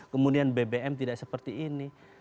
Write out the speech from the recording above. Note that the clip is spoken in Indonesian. kemudian bbm tidak seperti ini